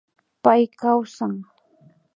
Pay kawsan